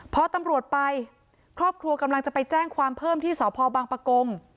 พอตำรวจไปครอบครัวกำลังจะไปแจ้งความเพิ่มที่สพบังปะกง